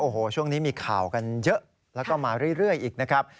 โอ้โหช่วงนี้มีข่าวกันเยอะแล้วก็มาเรื่อยอีกนะครับ